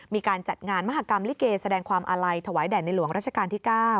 มีการจัดงานมหากรรมลิเกแสดงความอาลัยถวายแด่ในหลวงราชการที่๙